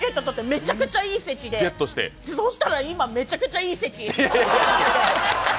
めちゃくちゃいい席で、そうしたら今、めちゃくちゃいい席。